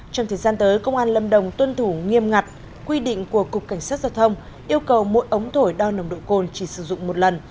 trong thời gian tới công an lâm đồng tuân thủ nghiêm ngặt quy định của cục cảnh sát giao thông yêu cầu mỗi ống thổi đo nồng độ cồn chỉ sử dụng một lần